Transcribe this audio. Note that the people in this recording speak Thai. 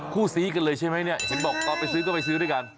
คู่ซีกันเลยใช่ไหมเนี่ยเห็นบอกตอนไปซื้อก็ไปซื้อด้วยกัน